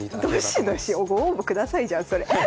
「どしどしご応募下さい」じゃんそれ。